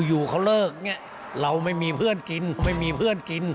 อยู่เขาเลิกเนี่ยเราไม่มีเพื่อนกินไม่มีเพื่อนกิน